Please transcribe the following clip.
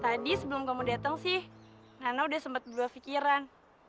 tadi sebelum kamu datang sih nana udah sempet berdua fikiran